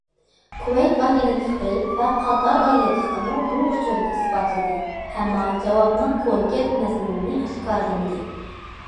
كۇۋەيت ئاگېنتلىقى ۋە قاتار ئاگېنتلىقىمۇ بۇ ئۇچۇرنى ئىسپاتلىدى، ئەمما جاۋابنىڭ كونكرېت مەزمۇنىنى ئاشكارىلىمىدى.